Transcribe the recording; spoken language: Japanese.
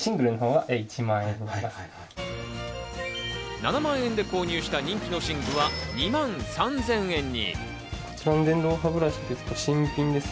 ７万円で購入した人気の寝具は２万３０００円に。